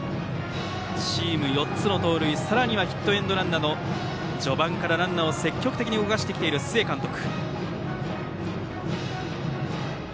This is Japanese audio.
チーム４つの盗塁さらにはヒットエンドランなど序盤から、ランナーを積極的に動かしてきている須江監督。